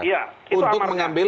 iya itu amatnya